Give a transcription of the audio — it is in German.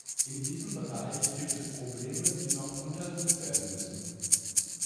In diesem Bereich gibt es Probleme, die noch untersucht werden müssen.